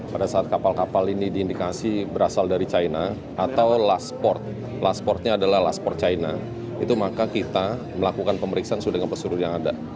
pada saat kapal kapal ini diindikasi berasal dari china atau last port last portnya adalah last port china itu maka kita melakukan pemeriksaan sudah dengan pesudut yang ada